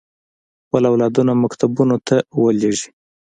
خپل اولاد مکتبونو ته ولېږي.